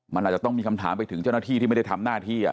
มันอาจจะต้องมีคำถามไปถึงเจ้าหน้าที่ที่ไม่ได้ทำหน้าที่